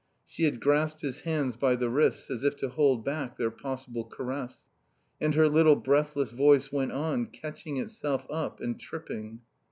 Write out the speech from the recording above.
She had grasped his hands by the wrists, as if to hold back their possible caress. And her little breathless voice went on, catching itself up and tripping.